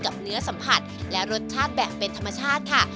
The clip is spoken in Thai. เนื้อสัมผัสและรสชาติแบบเป็นธรรมชาติค่ะ